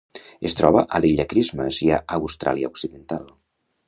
Es troba a l'Illa Christmas i a Austràlia Occidental.